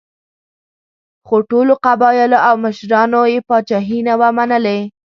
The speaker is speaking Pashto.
خو ټولو قبایلو او مشرانو یې پاچاهي نه وه منلې.